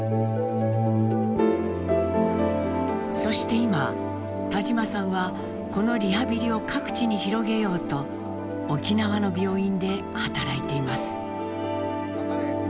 そして今田島さんはこのリハビリを各地に広げようと沖縄の病院で働いています。